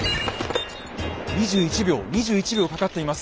２１秒２１秒かかっています。